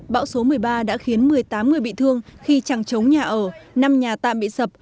bão số một mươi ba đã khiến một mươi tám người bị thương khi chẳng chống nhà ở năm nhà tạm bị sập